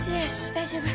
大丈夫？